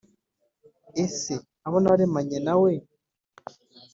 ese abo naremanye nawe?